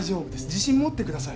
自信持ってください。